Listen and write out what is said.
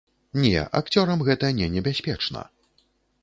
Не, акцёрам гэта не небяспечна.